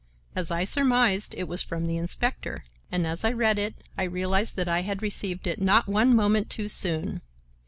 As I surmised, it was from the inspector, and as I read it I realized that I had received it not one moment too soon.